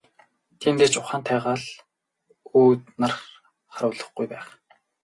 Тиймдээ ч ухаантайгаа өөд нар харуулдаггүй байх.